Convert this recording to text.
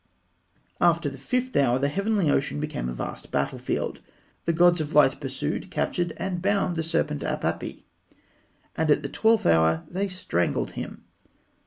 After the fifth hour, the heavenly ocean became a vast battlefield. The gods of light pursued, captured, and bound the serpent Apapi, and at the twelfth hour they strangled him.